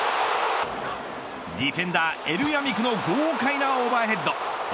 ディフェンダー、エルヤミクの豪快なオーバーヘッド。